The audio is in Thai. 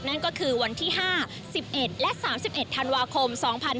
นั่นก็คือวันที่๕๑๑และ๓๑ธันวาคม๒๕๕๙